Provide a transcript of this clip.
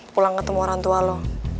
pulang ketemu orang tua lo